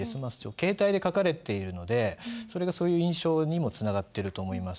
敬体で書かれているのでそれがそういう印象にもつながってると思います。